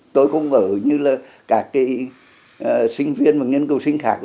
tôi không ở như là cả cái sinh viên và nghiên cứu sinh khác